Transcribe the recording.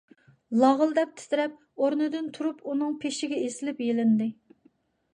لاغىلداپ تىترەپ، ئورنىدىن تۇرۇپ ئۇنىڭ پېشىگە ئېسىلىپ يېلىندى.